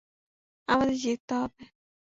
আমাদের জিততে হবে!